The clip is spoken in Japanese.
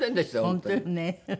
本当よね。